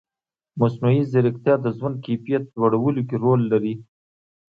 مصنوعي ځیرکتیا د ژوند کیفیت لوړولو کې رول لري.